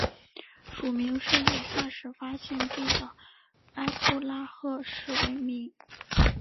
属名是以化石发现地的埃布拉赫市为名。